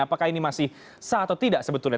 apakah ini masih sah atau tidak sebetulnya